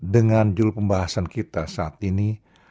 dengan jul pembahasan kita saat ini